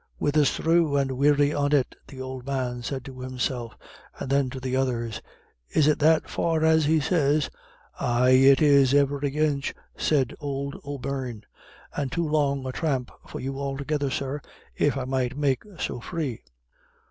"Wirrasthrew and weary on it," the old man said to himself; and then to the others, "Is it that far as he says?" "Ay is it, every inch," said old O'Beirne. "And too long a thramp for you altogether, sir, if I might make so free."